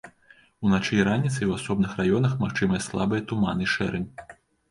Уначы і раніцай у асобных раёнах магчымыя слабыя туман і шэрань.